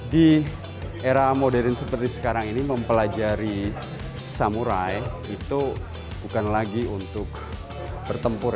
di era modern seperti sekarang ini mempelajari samurai itu bukan lagi untuk bertempur